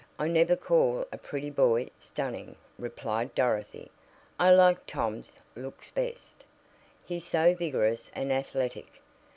I never call a pretty boy 'stunning,'" replied Dorothy. "I like Tom's looks best. He's so vigorous and athletic."